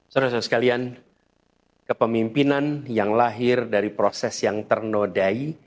saudara saudara sekalian kepemimpinan yang lahir dari proses yang ternodai